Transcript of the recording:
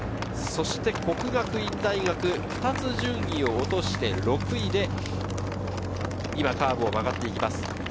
そして國學院大學、２つ順位を落として６位で今カーブを曲がっていきます。